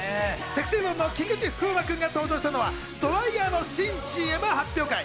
ＳｅｘｙＺｏｎｅの菊池風磨くんが登場したのはドライヤーの新ＣＭ発表会。